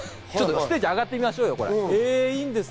ステージ、上がってみましょうよ。